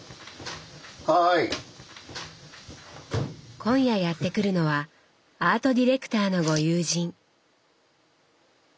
今夜やって来るのはアートディレクターのご友人。